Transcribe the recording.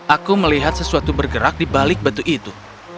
aku melihat sesuatu bergerak di balik batu itu